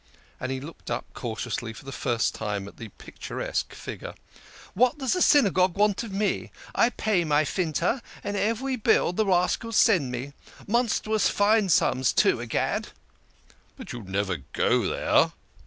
and he looked up cautiously for the first time at the picturesque figure. " What does the Synagogue want of me ? I pay my finta and every bill the rascals send me. Monstrous fine sums, too, egad "" But you never go there